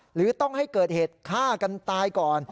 หรือต้องให้เกิดเหตุฆ่ากันตายก่อน